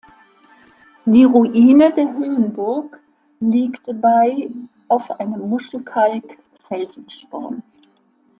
Die Ruine der Höhenburg liegt bei auf einem Muschelkalk-Felsensporn.